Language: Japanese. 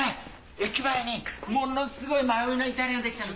駅前にものすごいまいうなイタリアンできたの。